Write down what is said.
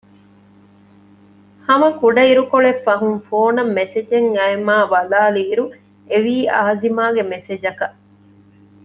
ހަމަ ކުޑައިރުކޮޅެއްގެ ފަހުން ފޯނަށް މެސެޖެއް އައިމާ ބަލައިލިއިރު އެވީ އާޒިމާގެ މެސެޖަކަށް